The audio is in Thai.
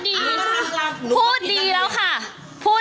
นี่ก็ไม่เหมือนแม่หนูอ่ะค่ะ